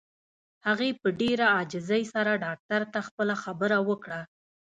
هغې په ډېره عاجزۍ سره ډاکټر ته خپله خبره وکړه.